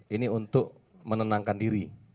ini untuk menenangkan diri